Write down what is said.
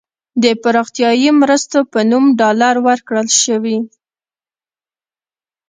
د پراختیايي مرستو په نوم ډالر ورکړل شوي.